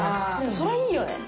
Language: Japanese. それいいよね！